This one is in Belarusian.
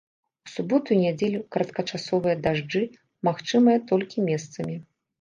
У суботу і нядзелю кароткачасовыя дажджы магчымыя толькі месцамі.